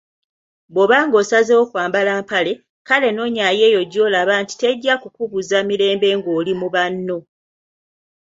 Bwoba ng'osazeewo kwambala mpale, kale nonyaayo eyo gyolaba nti tejja kukubuza mirembe ngoli mu banno